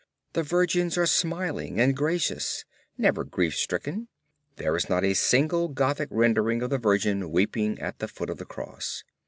The Virgins are smiling and gracious, never grief stricken. There is not a single Gothic rendering of the Virgin weeping at the foot of the cross.